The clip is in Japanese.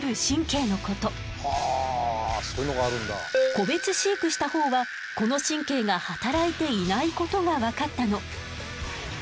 個別飼育したほうはこの神経が働いていないことが分かったの。